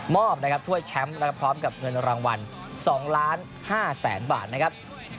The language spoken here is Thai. มอบนะครับถ้วยแชมป์และพร้อมกับเงินรางวัล๒๕๐๐๐๐๐บาทนะครับ